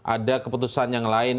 ada keputusan yang lain